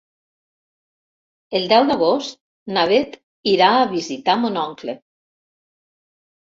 El deu d'agost na Beth irà a visitar mon oncle.